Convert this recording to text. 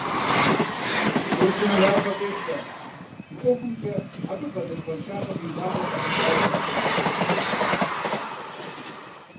Судым унафэ къещтэ: мы ӀуэхумкӀэ абы бгъэдэлъ къуаншагъэм и инагъыр къэлъытауэ гъэтӀысын!